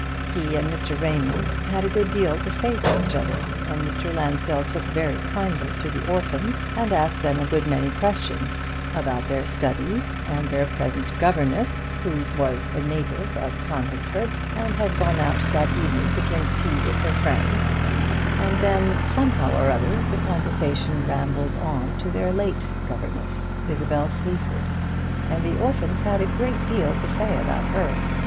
He and Mr. Raymond had a good deal to say to each other: and Mr. Lansdell took very kindly to the orphans, and asked them a good many questions about their studies and their present governess, who was a native of Conventford, and had gone out that evening to drink tea with her friends: and then, somehow or other, the conversation rambled on to their late governess, Isabel Sleaford, and the orphans had a great deal to say about her.